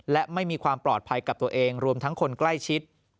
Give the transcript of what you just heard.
และไม่มีความปลอดภัยกับตัวเองรวมทั้งคนใกล้ชิด